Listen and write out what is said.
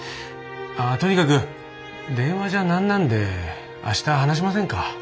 とにかく電話じゃなんなんで明日話しませんか？